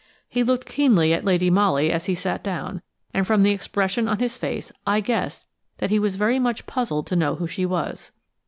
He looked keenly at Lady Molly as he sat down, and from the expression on his face I guessed that he was much puzzled to know who she was.